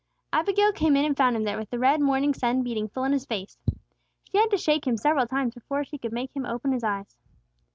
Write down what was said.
Abigail came in and found him there, with the red morning sun beating full in his face. She had to shake him several times before she could make him open his eyes.